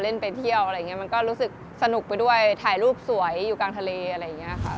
ไปเที่ยวอะไรอย่างนี้มันก็รู้สึกสนุกไปด้วยถ่ายรูปสวยอยู่กลางทะเลอะไรอย่างนี้ค่ะ